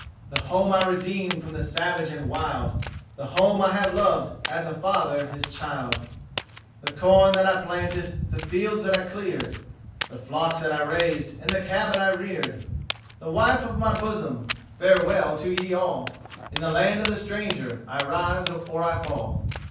The home I redeemed from the savage and wild; The home I have loved as a father his child; The corn that I planted, the fields that I cleared, The flocks that I raised, and the cabin I reared; The wife of my bosom Farewell to ye all! In the land of the stranger I rise or I fall.